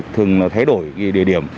thường là thay đổi địa điểm